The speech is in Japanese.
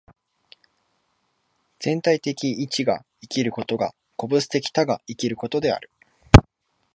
全体的一が生きることが個物的多が生きることである。